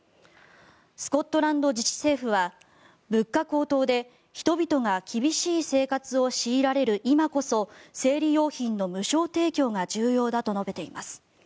スコットランド自治政府は物価高騰で人々が厳しい生活を強いられる今こそ生理用品の無償提供が重要だと述べています。